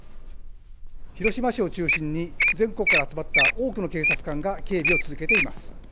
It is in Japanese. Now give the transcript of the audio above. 広島市を中心に全国から集まった多くの警察官が警備を続けています。